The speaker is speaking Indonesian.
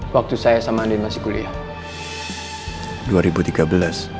waktu saya sama andi masih kuliah